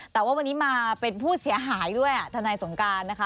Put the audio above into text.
แต่ว่าวันนี้มาเป็นผู้เสียหายด้วยทนายสงการนะคะ